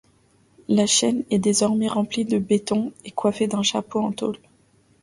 Le chêne est désormais rempli de béton et coiffé d’un chapeau en tôle.